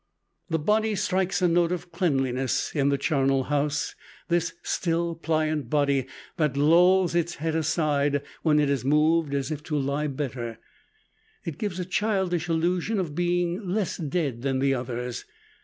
The body strikes a note of cleanliness in the charnel house, this still pliant body that lolls its head aside when it is moved as if to lie better; it gives a childish illusion of being less dead than the others.